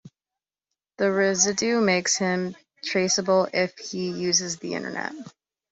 The residue makes him traceable if he uses the internet.